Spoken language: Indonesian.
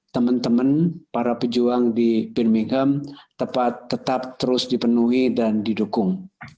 teman teman para pejuang di birmingham tetap terus dipenuhi dan didukung